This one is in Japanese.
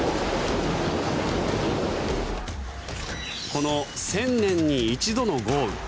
この１０００年に一度の豪雨。